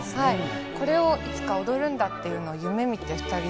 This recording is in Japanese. これをいつか踊るんだっていうのを夢みてふたり